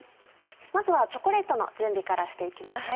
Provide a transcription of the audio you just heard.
まずはチョコレートの準備からしていきます。